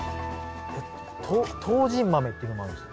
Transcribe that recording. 唐人豆っていうのもあるんですね。